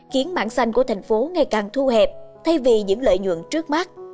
khiến mảng xanh của thành phố ngày càng thu hẹp thay vì những lợi nhuận trước mắt